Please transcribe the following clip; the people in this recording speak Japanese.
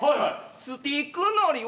スティックのりを。